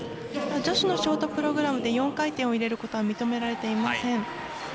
女子のショートプログラムで４回転を入れることは認められていません。